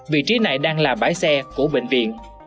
vị trí này đang là bãi xe của bệnh viện